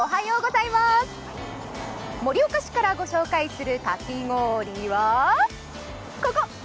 盛岡市からご紹介するかき氷は、ここ！